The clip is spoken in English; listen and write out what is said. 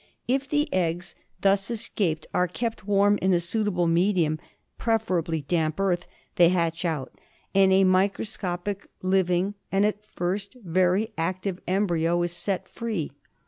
If the eggs thus .■'. escaped are kept warm in a suitable medium, preferably damp earth, they hatch out, and a microscopic living, and at first very active, embryo is set free.